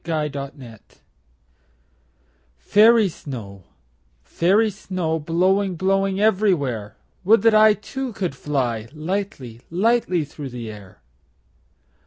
Snow Song FAIRY snow, fairy snow, Blowing, blowing everywhere, Would that I Too, could fly Lightly, lightly through the air.